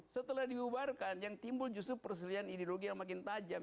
setelah dibubarkan yang timbul justru perselian ideologi yang makin tajam